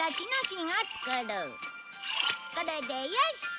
これでよし！